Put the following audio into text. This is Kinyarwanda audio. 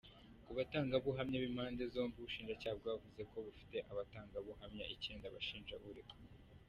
Ku batangabuhamya b’impande zombi, ubushinjacyaha bwavuze ko bufite abatangabuhamya icyenda bashinja uregwa.